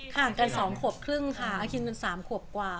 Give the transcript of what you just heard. ห่างกัน๒ขวบครึ่งค่ะอาคินเป็น๓ขวบกว่า